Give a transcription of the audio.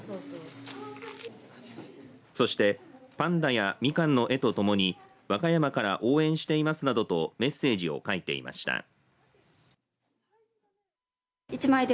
そしてパンダやみかんの絵と共に和歌山から応援していますなどとメッセージを書いていました。